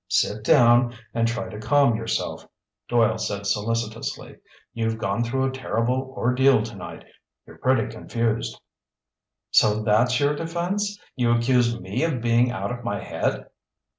"Sit down and try to calm yourself," Doyle said solicitously. "You've gone through a terrible ordeal tonight. You're pretty confused." "So that's your defense? You accuse me of being out of my head?"